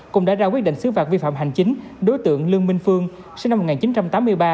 cũng đã ra quyết định xứ phạt vi phạm hành chính đối tượng lương minh phương sinh năm một nghìn chín trăm tám mươi ba